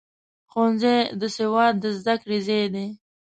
ښوونځی د سواد د زده کړې ځای دی.